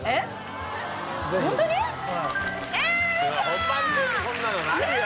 本番中にこんなのないよ。